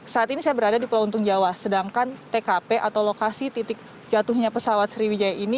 saat ini saya berada di pulau untung jawa sedangkan tkp atau lokasi titik jatuhnya pesawat sriwijaya ini